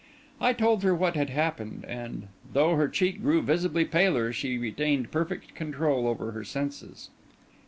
I told her what had happened; and, though her cheek grew visibly paler, she retained perfect control over her senses.